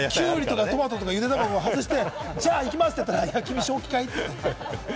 キュウリやトマト、苦手なものを外して、じゃあ行きますと言ったら、君、正気かい？って。